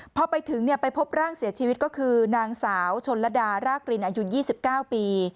พอไปถึงไปพบร่างเสียชีวิตก็คือนางสาวชนระดารากรินอายุ๒๙ปี